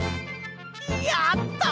やった！